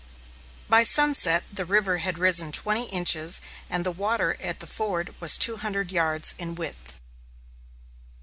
By sunset the river had risen twenty inches and the water at the ford was two hundred yards in width.